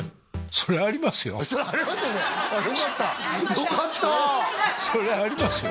そりゃありますよ